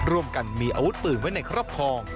ร่วมกันมีอาวุธปืนไว้ในครอบครอง